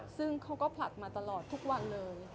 ซึ่งเขาก็ผลักมาตลอดทุกวันเลย